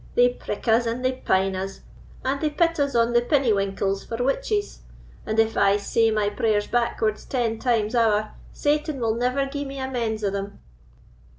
They prick us and they pine us, and they pit us on the pinnywinkles for witches; and, if I say my prayers backwards ten times ower, Satan will never gie me amends o' them."